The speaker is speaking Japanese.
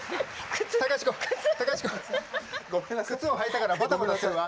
靴を履いてたからバタバタするわ。